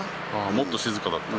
もっと静かだった？